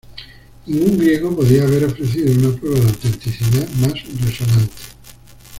Ningún griego podía haber ofrecido una prueba de autenticidad más resonante.